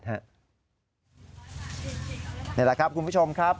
นี่แหละครับคุณผู้ชมครับ